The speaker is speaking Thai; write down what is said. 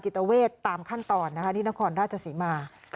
จิตเวศตามขั้นตอนที่นครราชสิมา